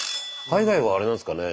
海外はあれなんですかね